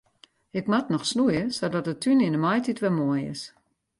Ik moat noch snoeie sadat de tún yn de maitiid wer moai is.